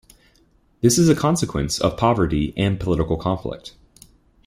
This is a consequence of poverty and political conflict.